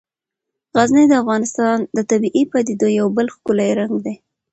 غزني د افغانستان د طبیعي پدیدو یو بل ښکلی رنګ دی.